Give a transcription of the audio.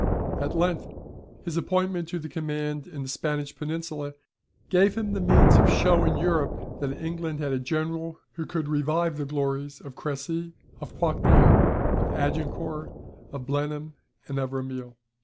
At length his appointment to the command in the Spanish Peninsula gave him the means of showing Europe that England had a general who could revive the glories of Crecy, of Poictiers, of Agincourt, of Blenheim, and of Ramilies.